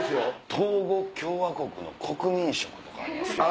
トーゴ共和国の国民食とかありますよ。